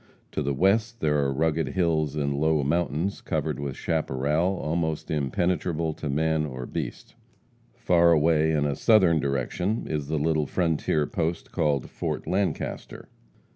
To the west there are rugged hills and low mountains, covered with chaparral almost impenetrable to man or beast. Far away in a southern direction is the little frontier post called Fort Lancaster.